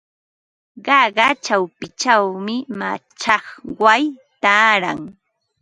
Qaqa chawpinchawmi machakway taaran.